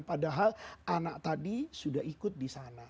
padahal anak tadi sudah ikut disana